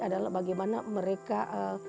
saat ini alsurah benar benar maarah